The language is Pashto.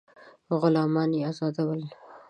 غلامان یې آزادول.